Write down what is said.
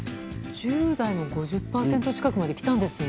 １０代も５０％近くまできたんですね。